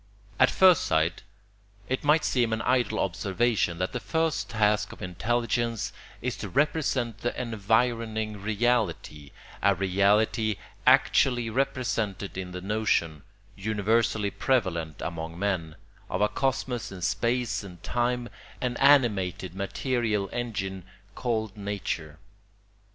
] At first sight it might seem an idle observation that the first task of intelligence is to represent the environing reality, a reality actually represented in the notion, universally prevalent among men, of a cosmos in space and time, an animated material engine called nature.